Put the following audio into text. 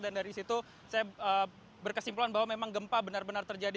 dari situ saya berkesimpulan bahwa memang gempa benar benar terjadi